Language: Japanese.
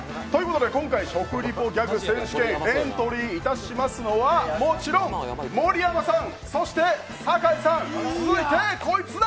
今回食リポギャグ選手権エントリーいたしますのはもちろん、盛山さん、そして酒井さん、続いてこいつだ！